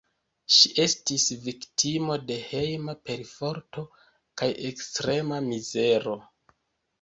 Ŝi estis viktimo de hejma perforto kaj ekstrema mizero.